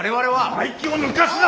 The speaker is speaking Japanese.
生意気を抜かすな！